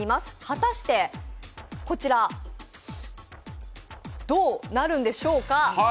果たしてこちら、どうなるんでしょうか。